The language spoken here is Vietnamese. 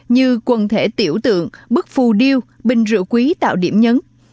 như quần thể tiểu tượng bức phù điêu bình rượu quý tạo điểm nhấn